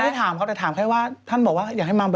ไม่ได้ถามเขาแต่ถามแค่ว่าท่านบอกว่าอยากให้มาบ่อย